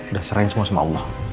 udah serahin semua sama allah